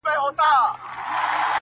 عجیبه ده لېونی آمر مي وایي~